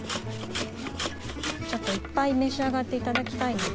ちょっといっぱい召し上がっていただきたいので。